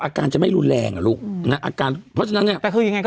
อาการจะไม่รุนแรงอ่ะลูกนะอาการเพราะฉะนั้นเนี้ยแต่คือยังไงก็